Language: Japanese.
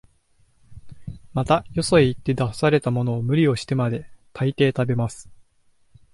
また、よそへ行って出されたものも、無理をしてまで、大抵食べます